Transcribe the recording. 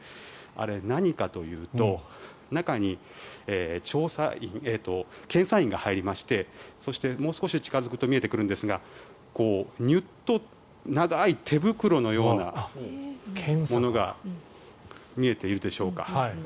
あれ、何かというと中に検査員が入りましてそして、もう少し近付くと見えてくるのですがニュッと長い手袋のようなものが見えているでしょうか。